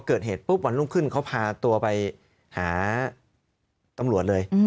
เกิดเหตุปุ๊บวันรุ่งขึ้นเขาพาตัวไปหาตำรวจเลย